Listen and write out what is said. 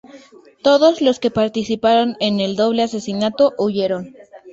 Todos los que participaron en el doble asesinato huyeron.